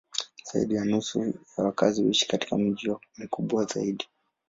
Zaidi ya nusu ya wakazi huishi katika miji mikubwa zaidi.